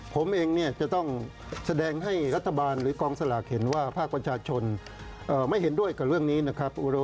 ผมเองเนี่ยจะต้องแสดงให้รัฐบาลหรือกองสลากเห็นว่าภาคประชาชนไม่เห็นด้วยกับเรื่องนี้นะครับ